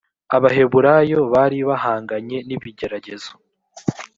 abaheburayo bari bahanganye nibigeragezo .